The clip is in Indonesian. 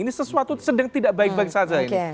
itu sedang tidak baik baik saja ini